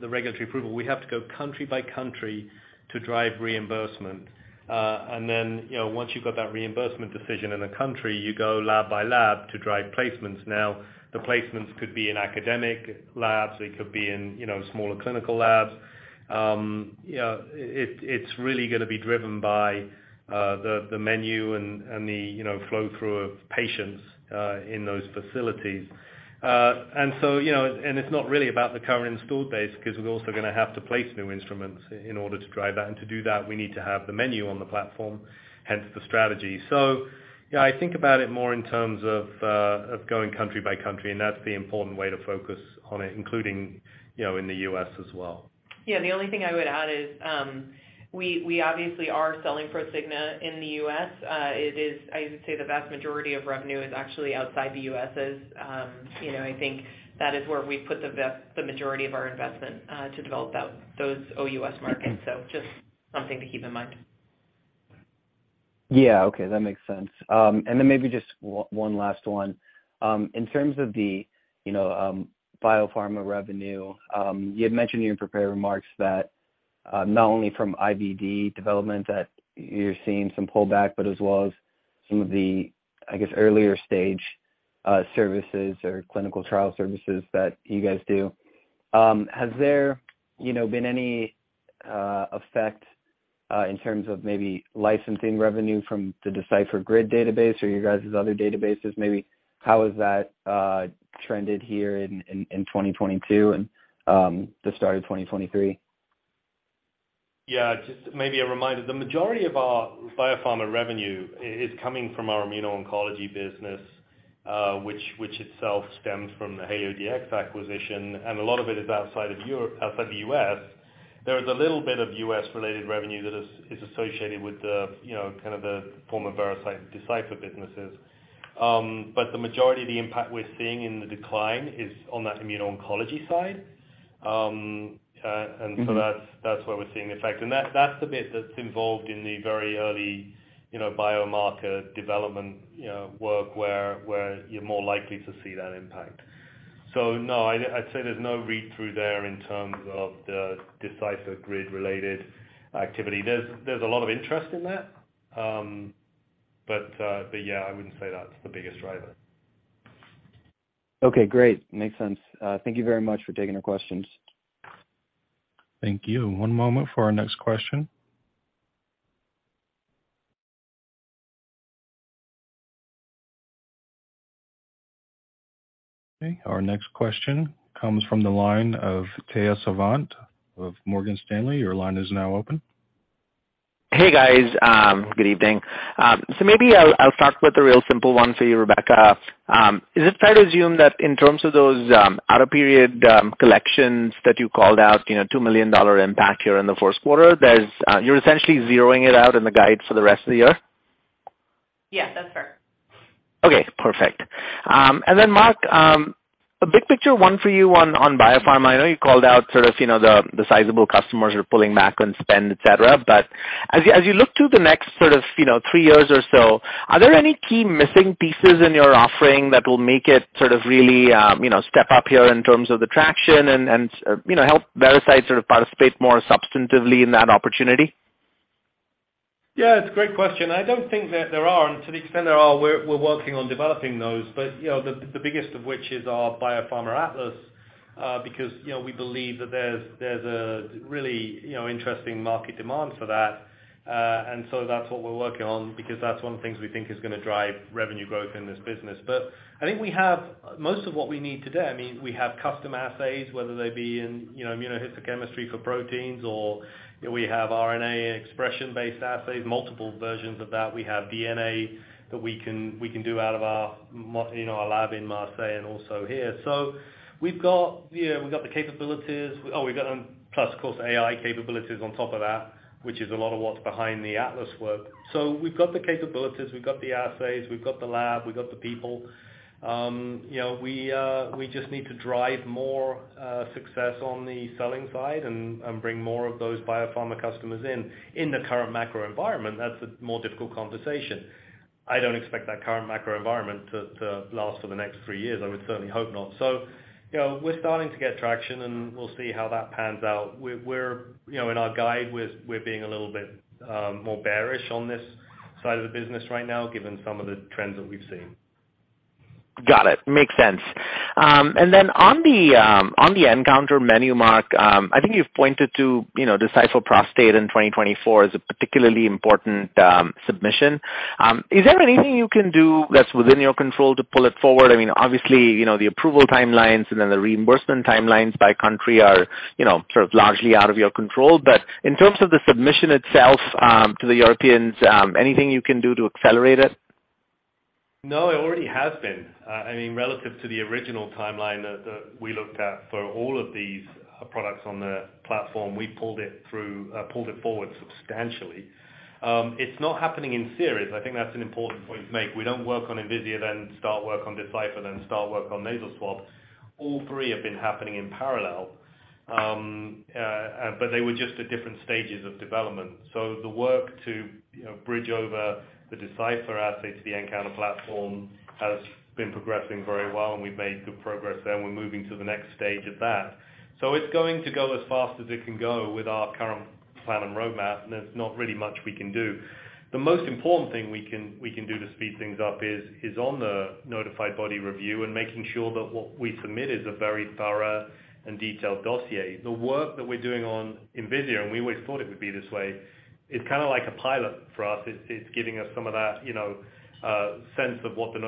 regulatory approval, we have to go country by country to drive reimbursement. Then, you know, once you've got that reimbursement decision in a country, you go lab by lab to drive placements. Now, the placements could be in academic labs, it could be in, you know, smaller clinical labs. You know, it's really gonna be driven by the menu and the, you know, flow through of patients in those facilities. You know, and it's not really about the current installed base because we're also gonna have to place new instruments in order to drive that. To do that, we need to have the menu on the platform, hence the strategy. Yeah, I think about it more in terms of going country by country, and that's the important way to focus on it, including, you know, in the U.S. as well. Yeah. The only thing I would add is, we obviously are selling Prosigna in the U.S. It is, I would say the vast majority of revenue is actually outside the U.S. is, you know, I think that is where we put the majority of our investment, to develop that, those OUS markets. Just something to keep in mind. Yeah. Okay. That makes sense. Maybe just one last one. In terms of the, you know, biopharma revenue, you had mentioned in your prepared remarks that not only from IVD development that you're seeing some pullback, but as well as some of the, I guess, earlier stage services or clinical trial services that you guys do. Has there, you know, been any effect in terms of maybe licensing revenue from the Decipher GRID database or your guys' other databases? Maybe how has that trended here in 2022 and the start of 2023? Yeah. Just maybe a reminder, the majority of our biopharma revenue is coming from our immuno-oncology business, which itself stems from the HalioDx acquisition, and a lot of it is outside of Europe, outside the U.S. There is a little bit of U.S.-related revenue that is associated with the, you know, kind of the former Veracyte Decipher businesses. The majority of the impact we're seeing in the decline is on that immuno-oncology side. That's where we're seeing the effect. That's the bit that's involved in the very early, you know, biomarker development, you know, work where you're more likely to see that impact. No, I'd say there's no read-through there in terms of the Decipher GRID-related activity. There's a lot of interest in that. Yeah, I wouldn't say that's the biggest driver. Okay, great. Makes sense. Thank you very much for taking the questions. Thank you. One moment for our next question. Okay, our next question comes from the line of Tejas Savant of Morgan Stanley. Your line is now open. Hey, guys. Good evening. Maybe I'll start with a real simple one for you, Rebecca. Is it fair to assume that in terms of those, out-of-period, collections that you called out, you know, $2 million impact here in the first quarter, you're essentially zeroing it out in the guide for the rest of the year? Yes, that's fair. Okay, perfect. Marc, a big picture one for you on biopharma. I know you called out sort of, you know, the sizable customers are pulling back on spend, et cetera. As you, as you look to the next sort of, you know, three years or so, are there any key missing pieces in your offering that will make it sort of really, you know, step up here in terms of the traction and, you know, help Veracyte sort of participate more substantively in that opportunity? Yeah, it's a great question. I don't think that there are, and to the extent there are, we're working on developing those. You know, the biggest of which is our Biopharma Atlas, because, you know, we believe that there's a really, you know, interesting market demand for that. That's what we're working on because that's one of the things we think is gonna drive revenue growth in this business. I think we have most of what we need today. I mean, we have custom assays, whether they be in, you know, immunohistochemistry for proteins or, you know, we have RNA expression-based assays, multiple versions of that. We have DNA that we can do out of our lab in Marseille and also here. We've got, you know, the capabilities. Oh, we've got plus of course AI capabilities on top of that, which is a lot of what's behind the Atlas work. We've got the capabilities, we've got the assays, we've got the lab, we've got the people. You know, we just need to drive more success on the selling side and bring more of those biopharma customers in. In the current macro environment, that's a more difficult conversation. I don't expect that current macro environment to last for the next three years. I would certainly hope not. You know, we're starting to get traction, and we'll see how that pans out. We're you know, in our guide, we're being a little bit more bearish on this side of the business right now given some of the trends that we've seen. Got it. Makes sense. On the nCounter menu, Mark, I think you've pointed to, you know, Decipher Prostate in 2024 as a particularly important submission. Is there anything you can do that's within your control to pull it forward? I mean, obviously, you know, the approval timelines and then the reimbursement timelines by country are, you know, sort of largely out of your control. In terms of the submission itself, to the Europeans, anything you can do to accelerate it? No, it already has been. I mean, relative to the original timeline that we looked at for all of these products on the platform, we pulled it through, pulled it forward substantially. It's not happening in series. I think that's an important point to make. We don't work on Envisia, then start work on Decipher, then start work on nasal swabs. All three have been happening in parallel, but they were just at different stages of development. The work to, you know, bridge over the Decipher assets to the nCounter platform has been progressing very well, and we've made good progress there, and we're moving to the next stage of that. It's going to go as fast as it can go with our current plan and roadmap, and there's not really much we can do. The most important thing we can do to speed things up is on the notified body review and making sure that what we submit is a very thorough and detailed dossier. The work that we're doing on Envisia, and we always thought it would be this way, it's kinda like a pilot for us. It's giving us some of that, you know, sense of what the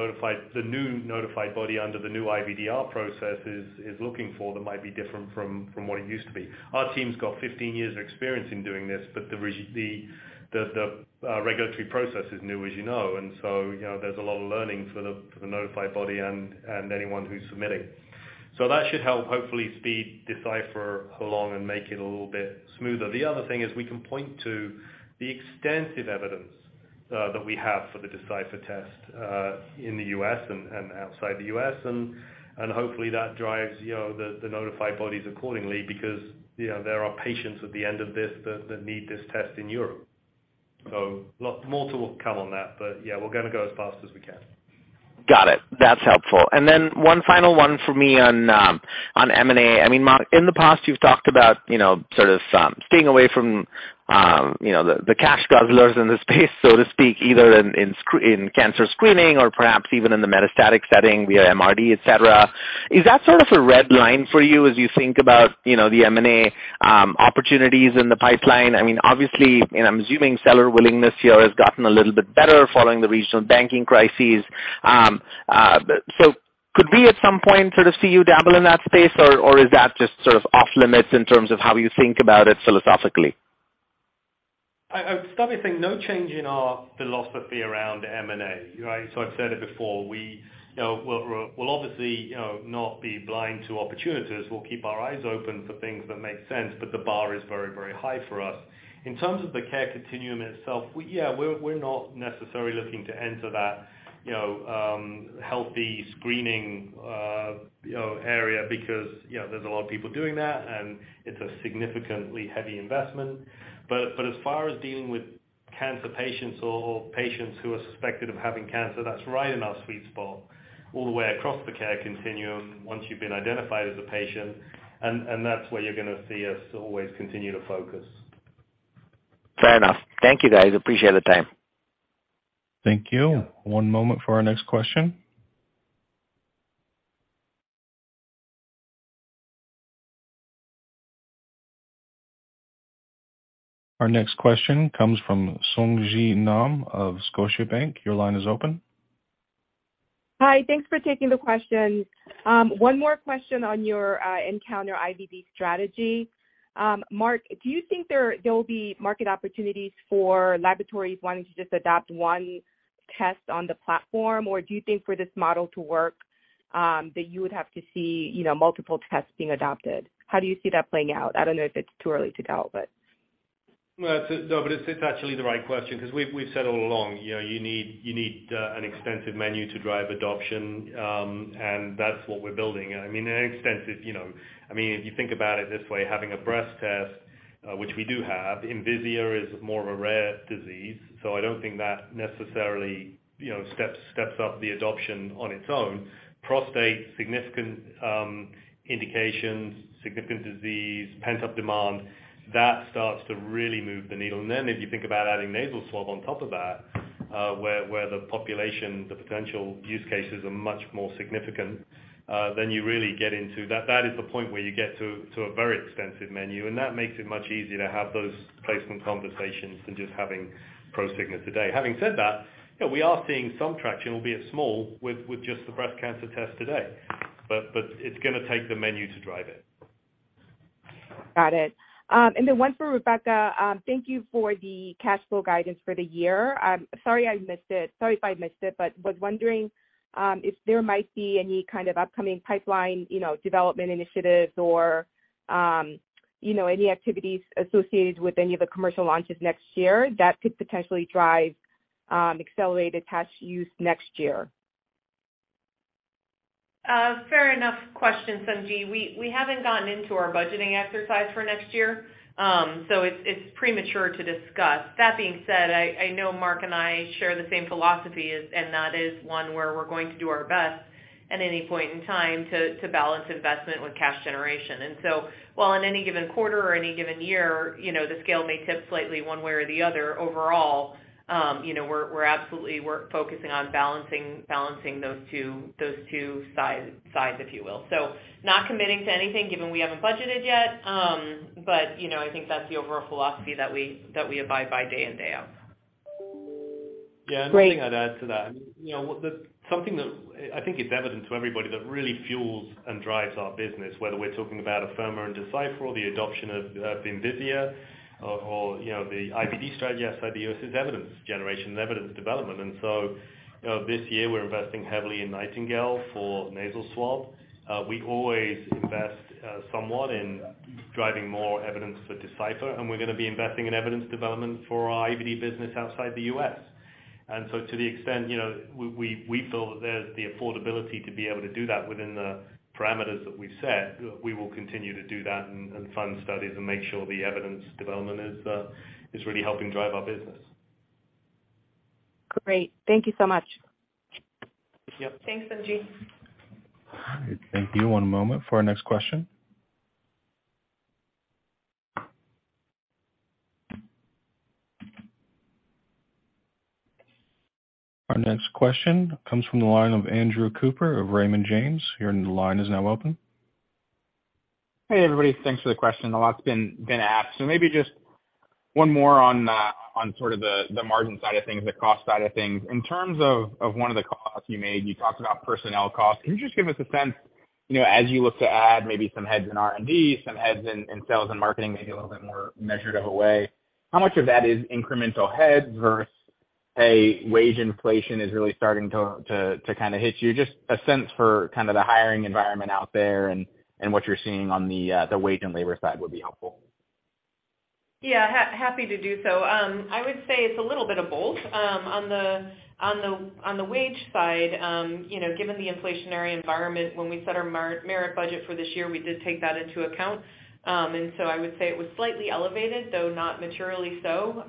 new notified body under the new IVDR process is looking for that might be different from what it used to be. Our team's got 15 years of experience in doing this, but the regulatory process is new, as you know. You know, there's a lot of learning for the notified body and anyone who's submitting. That should help hopefully speed Decipher along and make it a little bit smoother. The other thing is we can point to the extensive evidence that we have for the Decipher test in the U.S. and outside the U.S. Hopefully that drives, you know, the notified bodies accordingly because, you know, there are patients at the end of this that need this test in Europe. More to come on that, but yeah, we're gonna go as fast as we can. Got it. That's helpful. One final one for me on M&A. I mean, Marc, in the past, you've talked about, you know, sort of staying away from, you know, the cash guzzlers in the space, so to speak, either in cancer screening or perhaps even in the metastatic setting via MRD, et cetera. Is that sort of a red line for you as you think about, you know, the M&A opportunities in the pipeline? I mean, obviously, and I'm assuming seller willingness here has gotten a little bit better following the regional banking crises. So could we at some point sort of see you dabble in that space, or is that just sort of off-limits in terms of how you think about it philosophically? I would start by saying no change in our philosophy around M&A, right? I've said it before, we'll obviously, you know, not be blind to opportunities. We'll keep our eyes open for things that make sense, but the bar is very, very high for us. In terms of the care continuum itself, yeah, we're not necessarily looking to enter that, you know, healthy screening, you know, area because, you know, there's a lot of people doing that, and it's a significantly heavy investment. As far as dealing with cancer patients or patients who are suspected of having cancer, that's right in our sweet spot all the way across the care continuum once you've been identified as a patient. That's where you're gonna see us always continue to focus. Fair enough. Thank you, guys. Appreciate the time. Thank you. One moment for our next question. Our next question comes from Sung Ji Nam of Scotiabank. Your line is open. Hi. Thanks for taking the question. One more question on your nCounter IVD strategy. Marc, do you think there'll be market opportunities for laboratories wanting to just adopt one test on the platform? Or do you think for this model to work, that you would have to see, you know, multiple tests being adopted? How do you see that playing out? I don't know if it's too early to tell, but... Well, so no, but it's actually the right question because we've said all along, you know, you need, you need, an extensive menu to drive adoption, and that's what we're building. I mean, an extensive, you know. I mean, if you think about it this way, having a breast test, which we do have, Envisia is more of a rare disease, so I don't think that necessarily, you know, steps up the adoption on its own. Prostate, significant, indications, significant disease, pent-up demand, that starts to really move the needle. If you think about adding nasal swab on top of that, where the population, the potential use cases are much more significant, then you really get into. That is the point where you get to a very extensive menu, and that makes it much easier to have those placement conversations than just having Prosigna today. Having said that, you know, we are seeing some traction, albeit small, with just the breast cancer test today. It's gonna take the menu to drive it. Got it. One for Rebecca. Thank you for the cash flow guidance for the year. Sorry if I missed it, but was wondering, if there might be any kind of upcoming pipeline, you know, development initiatives or, you know, any activities associated with any of the commercial launches next year that could potentially drive, accelerated cash use next year. Fair enough question, Sung Ji. We haven't gotten into our budgeting exercise for next year, it's premature to discuss. That being said, I know Marc and I share the same philosophy is, that is one where we're going to do our best at any point in time to balance investment with cash generation. While in any given quarter or any given year, you know, the scale may tip slightly one way or the other, overall, you know, we're absolutely focusing on balancing those two sides, if you will. Not committing to anything given we haven't budgeted yet, you know, I think that's the overall philosophy that we abide by day in, day out. Great. Yeah, and the thing I'd add to that, you know, something that I think is evident to everybody that really fuels and drives our business, whether we're talking about Afirma and Decipher or the adoption of Envisia or, you know, the IVD strategy outside the US is evidence generation, evidence development. You know, this year we're investing heavily in NIGHTINGALE for nasal swab. We always invest somewhat in driving more evidence for Decipher, and we're gonna be investing in evidence development for our IVD business outside the US. To the extent, you know, we feel that there's the affordability to be able to do that within the parameters that we've set, we will continue to do that and fund studies and make sure the evidence development is really helping drive our business. Great. Thank you so much. Yep. Thanks, Sung Ji. Thank you. One moment for our next question. Our next question comes from the line of Andrew Cooper of Raymond James. Your line is now open. Hey, everybody. Thanks for the question. A lot's been asked. Maybe just one more on sort of the margin side of things, the cost side of things. In terms of one of the costs you made, you talked about personnel costs. Can you just give us a sense, you know, as you look to add maybe some heads in R&D, some heads in sales and marketing, maybe a little bit more measured of a way, how much of that is incremental heads versus, hey, wage inflation is really starting to kind of hit you? Just a sense for kind of the hiring environment out there and what you're seeing on the wage and labor side would be helpful. Yeah. Happy to do so. I would say it's a little bit of both. On the wage side, you know, given the inflationary environment, when we set our merit budget for this year, we did take that into account. I would say it was slightly elevated, though not materially so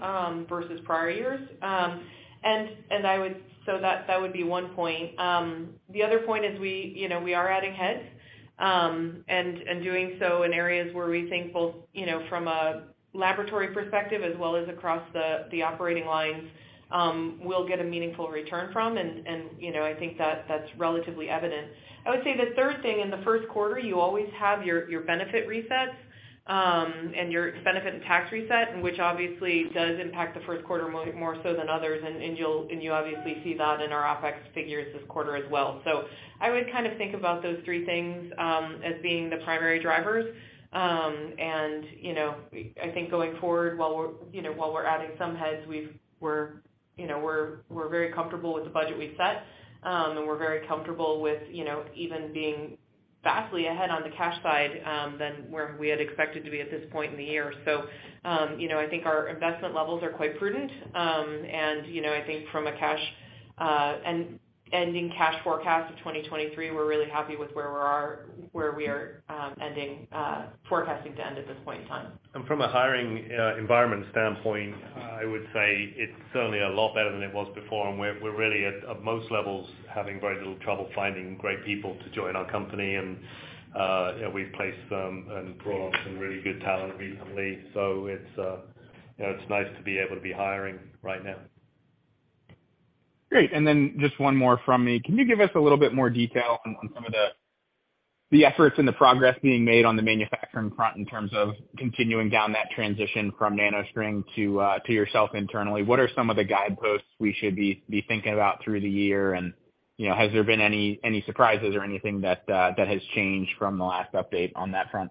versus prior years. I would say that would be one point. The other point is we, you know, we are adding heads and doing so in areas where we think both, you know, from a laboratory perspective as well as across the operating lines, we'll get a meaningful return from and, you know, I think that's relatively evident. I would say the third thing in the first quarter, you always have your benefit resets, and your benefit and tax reset, and which obviously does impact the first quarter more so than others. You obviously see that in our OpEx figures this quarter as well. I would kind of think about those three things as being the primary drivers. You know, I think going forward, while we're, you know, while we're adding some heads, we're, you know, we're very comfortable with the budget we've set. We're very comfortable with, you know, even being vastly ahead on the cash side than where we had expected to be at this point in the year. You know, I think our investment levels are quite prudent. You know, I think from a cash, an ending cash forecast of 2023, we're really happy with where we are, ending, forecasting to end at this point in time. From a hiring, environment standpoint, I would say it's certainly a lot better than it was before. We're really at most levels, having very little trouble finding great people to join our company. You know, we've placed them and brought on some really good talent recently. It's, you know, it's nice to be able to be hiring right now. Great. Just one more from me. Can you give us a little bit more detail on some of the efforts and the progress being made on the manufacturing front in terms of continuing down that transition from NanoString to yourself internally? What are some of the guideposts we should be thinking about through the year? You know, has there been any surprises or anything that has changed from the last update on that front?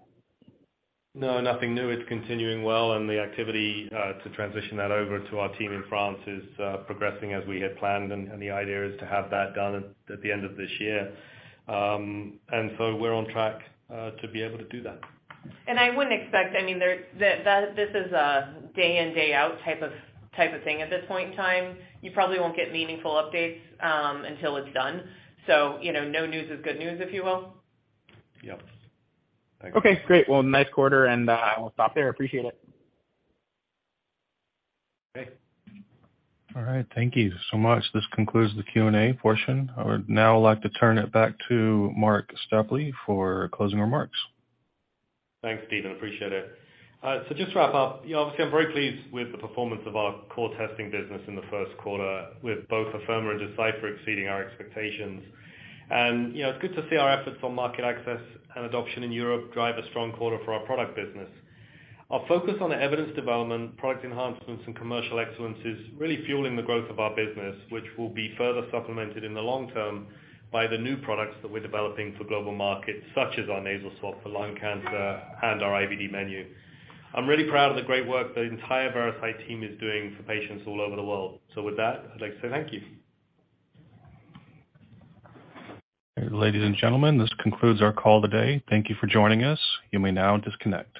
No, nothing new. It's continuing well. The activity to transition that over to our team in France is progressing as we had planned. The idea is to have that done at the end of this year. We're on track to be able to do that. I wouldn't expect, I mean, that this is a day in, day out type of thing at this point in time. You probably won't get meaningful updates until it's done. You know, no news is good news, if you will. Yep. Okay, great. Well, nice quarter, and, I'll stop there. Appreciate it. Great. All right, thank you so much. This concludes the Q&A portion. I would now like to turn it back to Marc Stapley for closing remarks. Thanks, Stephen. Appreciate it. Just to wrap up, you know, obviously, I'm very pleased with the performance of our core testing business in the first quarter, with both Afirma and Decipher exceeding our expectations. You know, it's good to see our efforts on market access and adoption in Europe drive a strong quarter for our product business. Our focus on evidence development, product enhancements and commercial excellence is really fueling the growth of our business, which will be further supplemented in the long term by the new products that we're developing for global markets, such as our nasal swab for lung cancer and our IVD menu. I'm really proud of the great work the entire Veracyte team is doing for patients all over the world. With that, I'd like to say thank you. Ladies and gentlemen, this concludes our call today. Thank you for joining us. You may now disconnect.